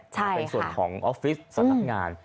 เป็นส่วนของออฟฟิศสำนักงาน